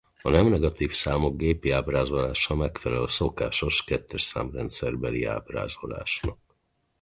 A nem negatív számok gépi ábrázolása megfelel a szokásos kettes számrendszerbeli ábrázolásnak.